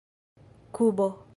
kubo